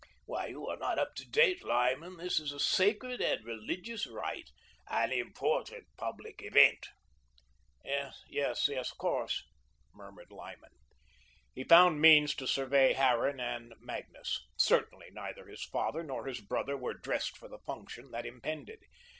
Why, you are not up to date, Lyman. This is a sacred and religious rite, an important public event." "Of course, of course," murmured Lyman. He found means to survey Harran and Magnus. Certainly, neither his father nor his brother were dressed for the function that impended.